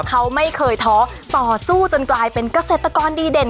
เขาไม่เคยท้อต่อสู้จนกลายเป็นเกษตรกรดีเด่น